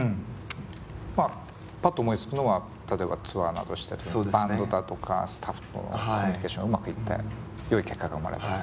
まあパッと思いつくのは例えばツアーなどしてる時にバンドだとかスタッフとコミュニケーションうまくいってよい結果が生まれたり。